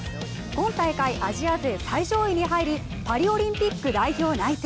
今大会アジア勢最上位に入りパリオリンピック代表内定。